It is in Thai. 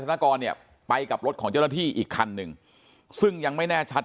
ธนกรเนี่ยไปกับรถของเจ้าหน้าที่อีกคันหนึ่งซึ่งยังไม่แน่ชัด